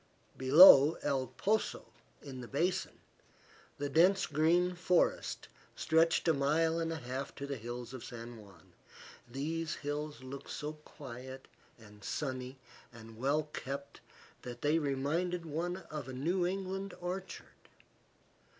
Below El Poso, in the basin, the dense green forest stretched a mile and a half to the hills of San Juan. These hills looked so quiet and sunny and well kept that they reminded one of a New England orchard.